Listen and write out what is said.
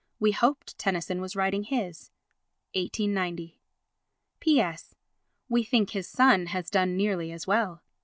We hoped Tennyson was writing his. [1890.] P.S.—We think his son has done nearly as well.